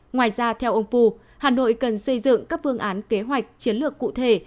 ngoài ra theo ông phu hà nội cần xây dựng các phương án kế hoạch chiến lược cụ thể